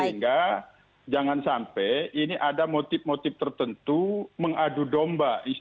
sehingga jangan sampai ini ada motif motif tertentu mengadu domba